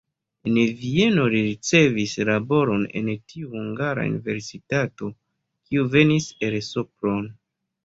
En Vieno li ricevis laboron en tiu hungara universitato, kiu venis el Sopron.